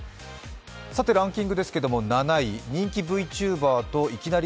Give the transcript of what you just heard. さてランキングですけれども、７位、人気Ｖチューバーといきなり！